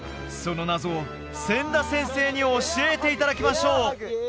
その謎を千田先生に教えていただきましょう！